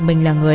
mình là người